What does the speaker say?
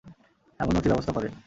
এমন নথি ব্যবস্থা করে?